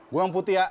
buang putih ya